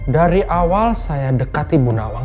dari awal saya dekati bu nawang